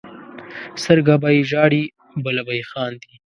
سترګه به یې ژاړي بله به یې خاندي.